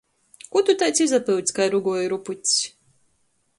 Kū tu taids izapyuts kai ruguoju rupucs!